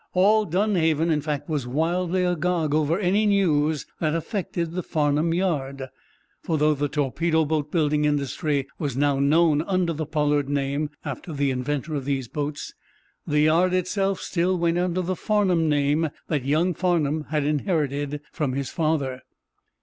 All Dunhaven, in fact, was wildly agog over any news that affected the Farnum yard. For, though the torpedo boat building industry was now known under the Pollard name, after the inventor of these boats, the yard itself still went under the Farnum name that young Farnum had inherited from his father.